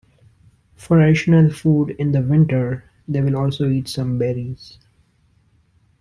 For additional food in the winter they will also eat some berries.